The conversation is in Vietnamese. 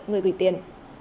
người gửi tiền